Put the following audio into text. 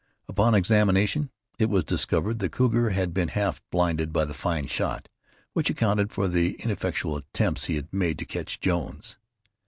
Upon examination, it was discovered the cougar had been half blinded by the fine shot, which accounted for the ineffectual attempts he had made to catch Jones.